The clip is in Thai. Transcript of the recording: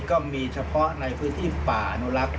ก็มีเฉพาะในพื้นธีป่าตุลักษณ์